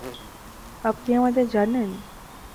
আপনি আমাদের জানেন!